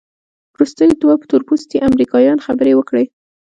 وروسته دوه تورپوستي امریکایان خبرې وکړې.